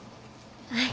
はい。